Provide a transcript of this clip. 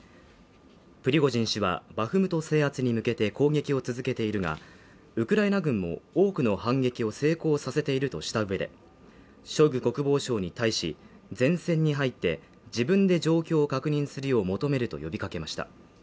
プリゴジン氏は、バフムト制圧に向けて攻撃を続けているが、ウクライナ軍も多くの反撃を成功させているとした上で、ショイグ国防相に対し、前線に入って、自分で状況を確認するよう求めると呼びかけました。